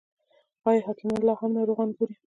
آیا حکیمان لا هم ناروغان ګوري؟